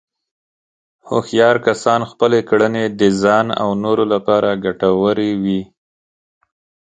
هوښیار کسان خپلې کړنې د ځان او نورو لپاره ګټورې وي.